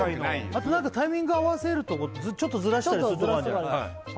あと何かタイミング合わせるとこちょっとズラしたりするとこあんじゃないああ